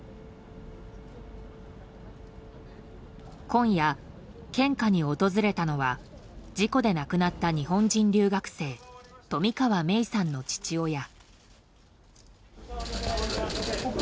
今夜、献花に訪れたのは事故で亡くなった日本人留学生冨川芽生さんの父親。